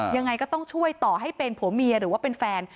ยังไงก็ต้องช่วยต่อให้เป็นผัวเมียหรือว่าเป็นแฟน